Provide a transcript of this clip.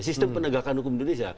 sistem penegakan hukum indonesia